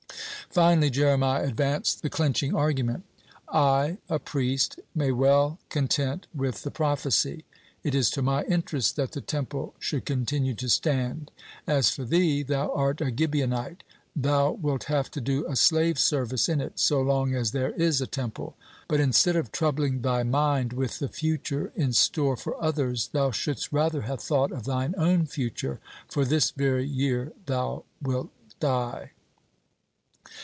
(19) Finally, Jeremiah advanced the clinching argument: "I, a priest, may be well content with the prophecy; it is to my interest that the Temple should continue to stand. As for thee, thou art a Gibeonite, thou wilt have to do a slave's service in it so long as there is a Temple. But instead of troubling thy mind with the future in store for others, thou shouldst rather have thought of thine own future, for this very year thou wilt die."